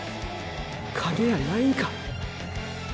カゲやないんか？